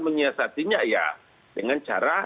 menyiasatinya ya dengan cara